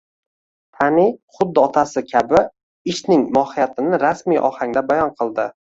Tani xuddi otasi kabi ishning mohiyatini rasmiy ohangda bayon qildi